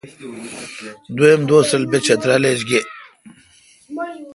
دوئم دوس رل بہ چترال ایچ گے۔